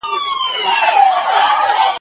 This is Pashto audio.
د کلو خمار وهلي تشوي به پیالې خپلي ..